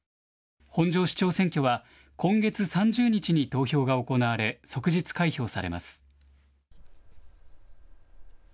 本庄市長選挙は今月３０日に投票が行われ即日開票されます。